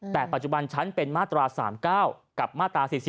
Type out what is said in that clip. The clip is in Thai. แต่ปัจจุบันฉันเป็นมาตรา๓๙กับมาตรา๔๔